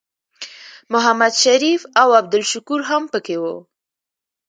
محمد شریف او عبدالشکور هم پکې وو.